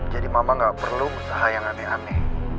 jadi mama gak perlu usaha yang aneh aneh